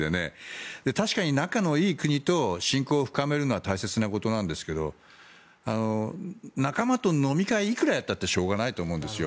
確かに仲のいい国と親交を深めるのは大切なことですが仲間と飲み会をいくらやってもしょうがないと思うんですよ。